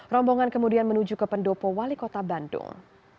rombongan kemudian menuju ke pendopo wali kota bandung